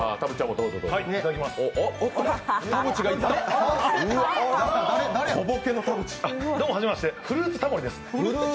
どうも初めまして、フルーツタモリです。